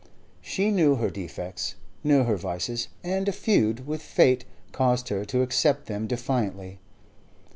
She knew her defects, knew her vices, and a feud with fate caused her to accept them defiantly.